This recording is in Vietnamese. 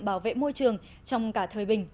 bảo vệ môi trường trong cả thời bình